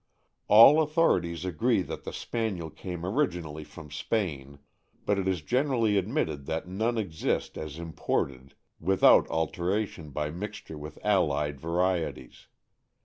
All authorities agree that the Spaniel came originally from Spain, but it is generally admitted that none exist as imported, without alteration by mixture with allied varie ties.